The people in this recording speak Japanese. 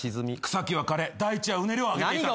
草木は枯れ大地はうねりを上げていた。